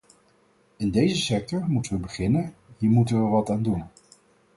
In deze sector moeten we beginnen, hier moeten we wat aan doen!